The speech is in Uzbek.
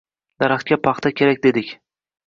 Davlatga paxta kerak dedik